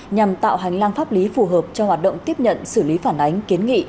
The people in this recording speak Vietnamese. nhằm tạo hành lang pháp lý phù hợp cho hoạt động tiếp nhận xử lý phản ánh kiến nghị